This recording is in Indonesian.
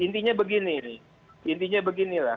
intinya begini intinya beginilah